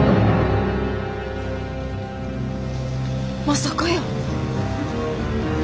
まさかやー。